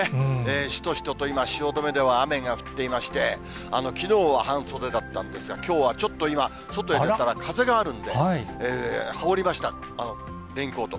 しとしとと今、汐留では雨が降っていまして、きのうは半袖だったんですが、きょうはちょっと今、外へ出たら風があるんで、羽織りました、レインコート。